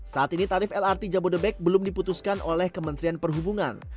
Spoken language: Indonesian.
saat ini tarif lrt jabodebek belum diputuskan oleh kementerian perhubungan